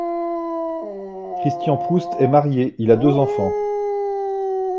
Christian Proust est marié, il a deux enfants.